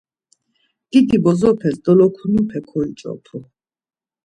Didi bozopes dolokunupe koyuç̌opu.